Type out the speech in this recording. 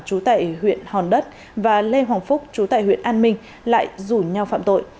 chú tại huyện hòn đất và lê hoàng phúc chú tại huyện an minh lại rủ nhau phạm tội